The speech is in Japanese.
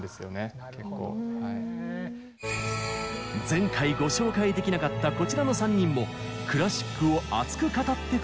前回ご紹介できなかったこちらの３人もクラシックを熱く語ってくれました。